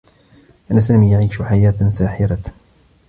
كان سامي يعيش حياة ساحرة.